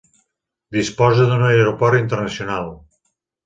Disposa d'un aeroport internacional.